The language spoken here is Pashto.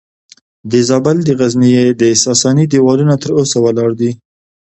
د زابل د غزنیې د ساساني دیوالونه تر اوسه ولاړ دي